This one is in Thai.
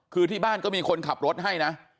คือที่บ้านก็มีคนขับรถให้นะ